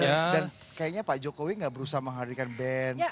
dan kayaknya pak jokowi gak berusaha menghadirkan band